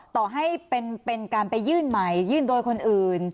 ต่อให้เป็นการไปยื่นใหม่ยื่นโดยคนอื่น